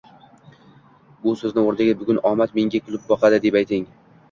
Bu so'zni o'rniga, " bugun omad menga kulib boqadi"deb ayting